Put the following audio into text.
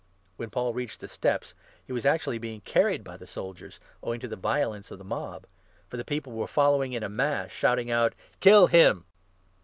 When Paul reached the steps, he was 35 actually being carried by the soldiers, owing to the violence of the mob ; for the people were following in a mass, shouting 36 out: ",Kill him!"